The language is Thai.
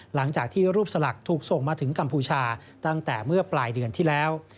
หลังจากที่รูปสลักถูกส่งมาถึงกัมพูชาตั้งแต่เมื่อปลายเดือนที่แล้ว